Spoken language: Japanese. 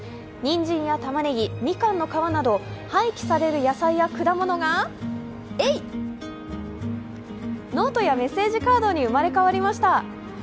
にんじんやたまねぎ、みかんの皮など、廃棄される野菜や果物が、えいっノートやメッセージカードに生まれ変わりました。